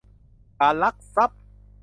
การลักทรัพย์